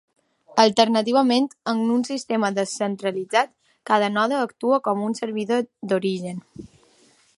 Alternativament, en un sistema descentralitzat, cada node actua com un servidor d'origen.